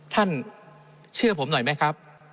ท่านเชื่อผมหน่อยไหมครับ